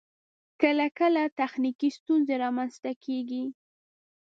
کله کله تخنیکی ستونزې رامخته کیږی